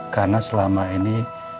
karena selama ini